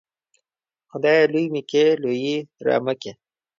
خدايه! لوى مې کې ، لويي رامه کې.